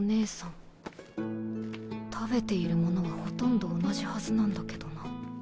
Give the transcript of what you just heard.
食べているものはほとんど同じはずなんだけどな。